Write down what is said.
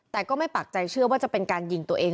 แต่ก็ไม่ปักใจเชื่อว่าจะเป็นการยิงตัวเอง